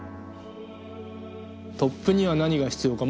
トップには何が必要か。